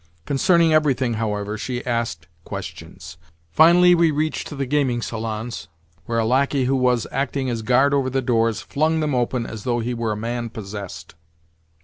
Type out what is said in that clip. Concerning everything, however, she asked questions. Finally we reached the gaming salons, where a lacquey who was, acting as guard over the doors, flung them open as though he were a man possessed.